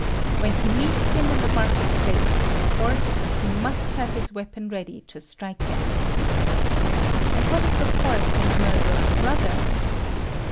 When he meets him in the market place or the court, he must have his weapon ready to strike him.' 'And what is the course in the murder of a brother?'